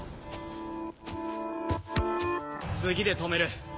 次で止める。